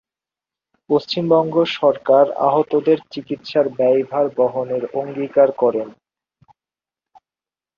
পশ্চিমবঙ্গ সরকার আহতদের চিকিৎসার ব্যয়ভার বহনের অঙ্গীকার করেন।